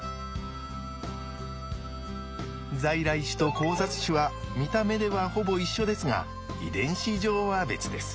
在来種と交雑種は見た目ではほぼ一緒ですが遺伝子上は別です。